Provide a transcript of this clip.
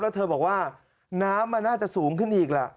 แล้วเธอบอกว่าน้ำมันน่าจะสูงขึ้นอีกแหละ